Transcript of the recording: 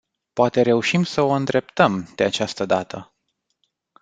Poate reușim să o îndreptăm, de această dată.